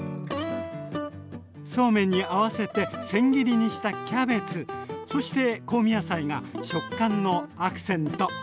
そうめんに合わせてせん切りにしたキャベツそして香味野菜が食感のアクセント。